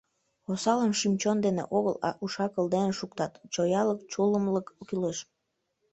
Осалым шӱм-чон дене огыл, а уш-акыл дене шуктат — чоялык, чулымлык кӱлеш.